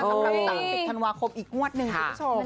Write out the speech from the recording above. สำหรับ๓๑ธรรมดาคมยูนายีอีกงวดหนึ่ง